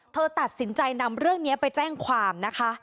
เธอตัดสินใจนำเรื่องนี้ไปแจ้งความนะคะ